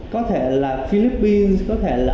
có thể là philippines có thể là